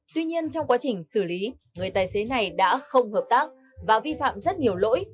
tuy nhiên trong quá trình xử lý người tài xế này đã không hợp tác và vi phạm rất nhiều lỗi